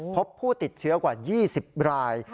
พบผู้ติดเชื้อกว่า๒๐ราย